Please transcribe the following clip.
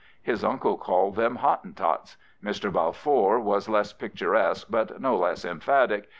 His uncle called them Hottentots. Mr. Balfour was less picturesque, but no less emphatic.